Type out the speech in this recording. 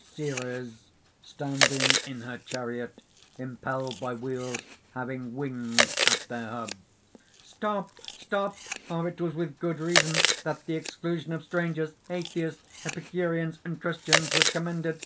_) CERES (standing in her chariot, impelled by wheels having wings at their hubs): "Stop! Stop! Ah! it was with good reason that the exclusion of strangers, atheists, Epicureans, and Christians was commended!